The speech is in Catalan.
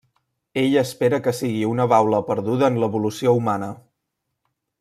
Ell espera que sigui una baula perduda en l'evolució humana.